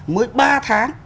mới ba tháng